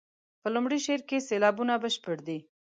په لومړي شعر کې سېلابونه بشپړ دي.